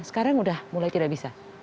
sekarang udah mulai tidak bisa